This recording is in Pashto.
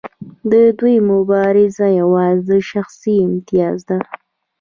د دوی مبارزه یوازې د شخصي امتیاز ده.